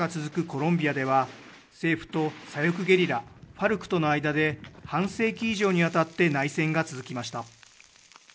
コロンビアでは政府と左翼ゲリラＦＡＲＣとの間で半世紀以上にわたって内戦が続きました。